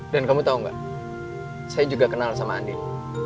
dan kamu tau gak saya juga kenal sama andin